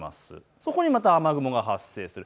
そこにまた雨雲が発生する。